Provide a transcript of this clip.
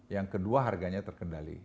yang kedua harganya terkendali